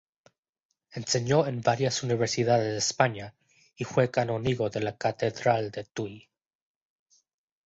Enseñó en varias universidades de España y fue canónigo de la catedral de Tuy.